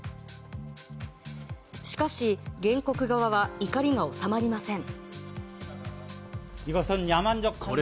しかし、原告側は怒りが収まりません。